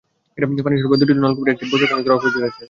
পানি সরবরাহের দুটি নলকূপের একটি বছর খানেক ধরে অকেজো হয়ে আছে।